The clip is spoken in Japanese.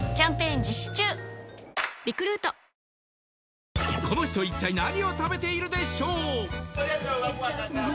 続くこの人一体何を食べているでしょううん